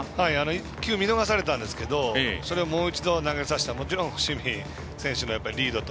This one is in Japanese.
１球見逃されたんですがそれをもう一度投げさせた伏見選手のリードと。